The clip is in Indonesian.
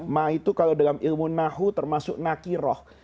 ma itu kalau dalam ilmu nahu termasuk nakiroh